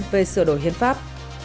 về sửa đổi hiến pháp